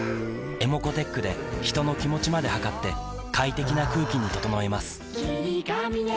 ｅｍｏｃｏーｔｅｃｈで人の気持ちまで測って快適な空気に整えます